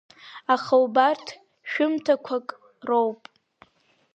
Аха убырҭ шәымҭақәак роуп.